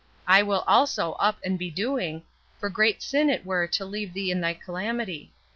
I will also up and be doing, for great sin it were to leave thee in thy calamity.